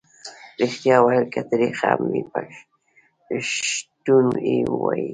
ریښتیا ویل که تریخ هم وي پښتون یې وايي.